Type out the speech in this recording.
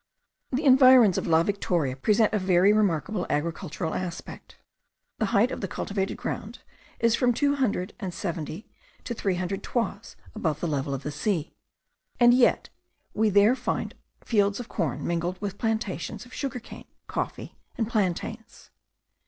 The environs of La Victoria present a very remarkable agricultural aspect. The height of the cultivated ground is from two hundred and seventy to three hundred toises above the level of the ocean, and yet we there find fields of corn mingled with plantations of sugar cane, coffee, and plantains.